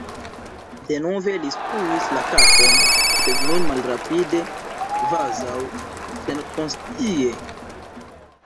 Denove li skuis la kapon, sed nun malrapide, kvazaŭ senkonscie.